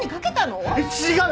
違う！